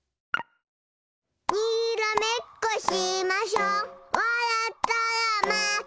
にらめっこしましょわらったらまけよ。